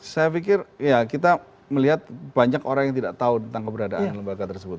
saya pikir ya kita melihat banyak orang yang tidak tahu tentang keberadaan lembaga tersebut